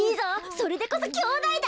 それでこそきょうだいだ！